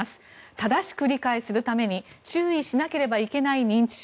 正しく理解するために注意しなければならない認知症。